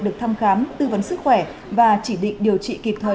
được thăm khám tư vấn sức khỏe và chỉ định điều trị kịp thời